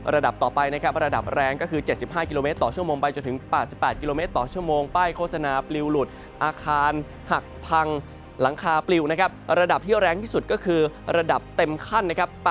ระดับต่อไปนะครับระดับแรงก็คือ๗๕กิโลเมตรต่อชั่วโมงไปจนถึงป้าย